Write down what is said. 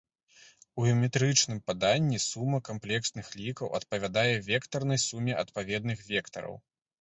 У геаметрычным паданні сума камплексных лікаў адпавядае вектарнай суме адпаведных вектараў.